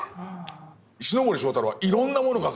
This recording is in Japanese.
石森章太郎はいろんなものが描ける